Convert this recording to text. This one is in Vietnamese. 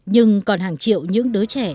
nhưng còn hàng triệu những đứa trẻ